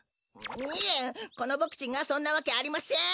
このボクちんがそんなわけありません！